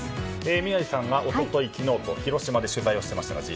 宮司さんが一昨日、昨日と広島で取材していましたが。